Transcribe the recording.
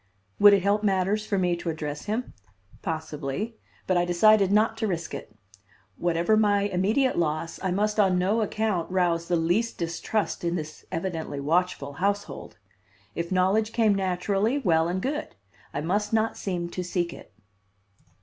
Would it help matters for me to address him? Possibly, but I decided not to risk it. Whatever my immediate loss I must on no account rouse the least distrust in this evidently watchful household. If knowledge came naturally, well and good; I must not seem to seek it.